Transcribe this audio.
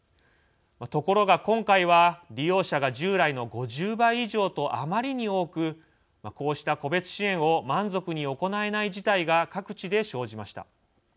ところが今回は利用者が従来の５０倍以上とあまりに多くこうした個別支援を満足に行えない事態が各地で生じました。